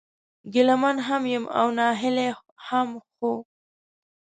ګيله من هم يم او ناهيلی هم ، خو